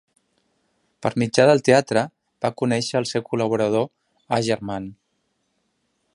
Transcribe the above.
Per mitjà del teatre va conèixer el seu col·laborador Agerman.